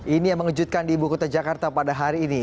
ini yang mengejutkan di ibu kota jakarta pada hari ini